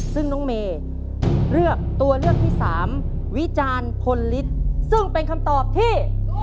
ซึ่งน้องเมย์เลือกตัวเลือกที่สามวิจารณ์พลฤทธิ์ซึ่งเป็นคำตอบที่